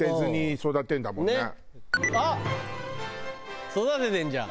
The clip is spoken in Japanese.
育ててんじゃん。